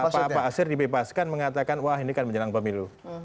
pak basir dibebaskan mengatakan wah ini kan menjelang pemilu